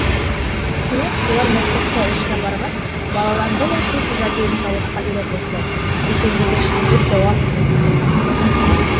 Тимәк, улар мәктәпкә эшкә барғас, балаларҙы ла шул ижади оҫталыҡҡа өйрәтәсәк, күсәгилешлелек дауам итәсәк.